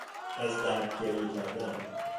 از درد گریه کردن